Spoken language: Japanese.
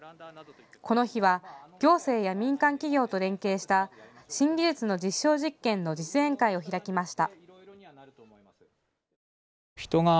この日は行政や民間企業と連携した新技術の実証実験の実演会を開きました。